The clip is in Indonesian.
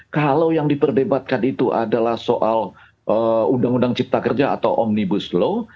kalau yang diperdebatkan itu adalah soal undang undang cipta kerja atau omnibus law